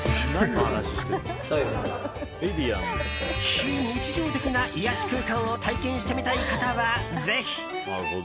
非日常的な癒やし空間を体験してみたい方はぜひ。